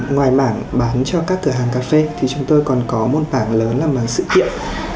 ngoài mảng bán cho các cửa hàng cà phê thì chúng tôi còn có một mảng lớn làm sự kiện